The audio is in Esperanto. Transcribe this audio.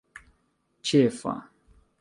ĉefa